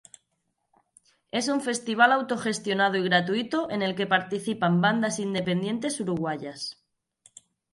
Es un festival autogestionado y gratuito en el que participan bandas independientes uruguayas.